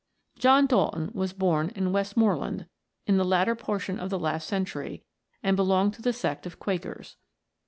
John Dalton was born in Westmoreland, in the latter portion of the last century, and belonged to the sect of Quakers.